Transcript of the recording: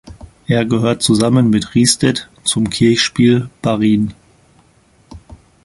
Er gehört zusammen mit Ristedt zum Kirchspiel Barrien.